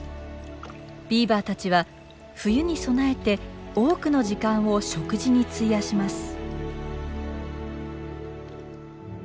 ビーバーたちは冬に備えて多くの時間を食事に費やします。